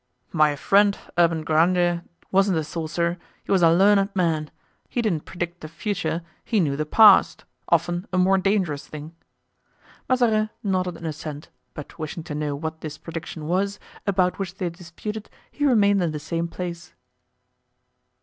"My friend, Urban Grandier wasn't a sorcerer, he was a learned man. He didn't predict the future, he knew the past—often a more dangerous thing." Mazarin nodded an assent, but wishing to know what this prediction was, about which they disputed, he remained in the same place.